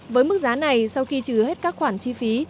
với mức giá này sau khi trừ hết các khoản chi phí